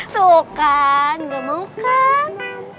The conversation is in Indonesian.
tuh kan gak mau kan